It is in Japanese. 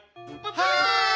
はい。